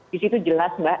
di situ jelas mbak